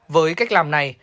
với cách làm này